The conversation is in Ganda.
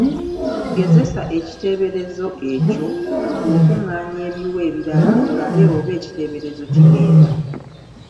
Gezesa ekiteeberezo ekyo ng’okuŋŋaanya ebiwe ebirala olabe oba ekiteeberezo kigenda.